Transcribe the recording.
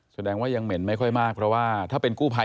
แสดงว่ายังเหม็นไม่ค่อยมากเพราะว่าถ้าเป็นกู้ภัย